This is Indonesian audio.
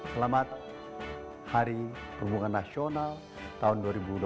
selamat hari perhubungan nasional tahun dua ribu dua puluh tiga